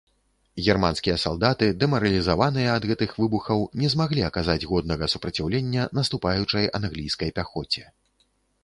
Германскія салдаты, дэмаралізаваныя ад гэтых выбухаў, не змаглі аказаць годнага супраціўлення наступаючай англійскай пяхоце.